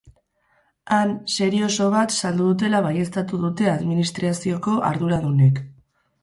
Han, serie oso bat saldu dutela baieztatu dute administrazioko arduradunek.